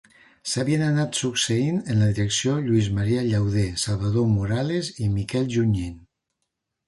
S'havien anat succeint en la direcció Lluís Maria Llauder, Salvador Morales i Miquel Junyent.